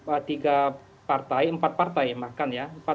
ada tiga partai empat partai makan ya